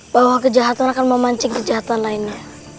bahwa kejahatan akan memancing kejahatan lainnya